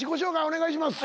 お願いします。